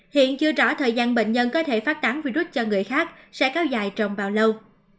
hiện chưa rõ thời gian bệnh nhân có thể phát tán virus cho người khác sẽ kéo dài trong bao lâu